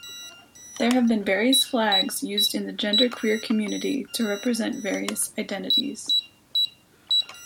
There have been various flags used in the genderqueer community to represent various identities.